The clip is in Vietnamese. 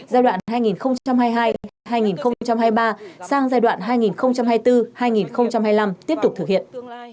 giai đoạn hai nghìn hai mươi hai hai nghìn hai mươi ba sang giai đoạn hai nghìn hai mươi bốn hai nghìn hai mươi năm tiếp tục thực hiện